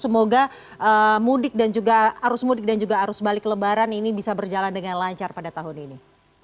semoga mudik dan juga arus mudik dan juga arus balik lebaran ini bisa berjalan dengan lancar pada tahun ini